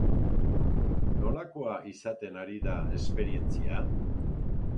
Nolakoa izaten ari da esperientzia?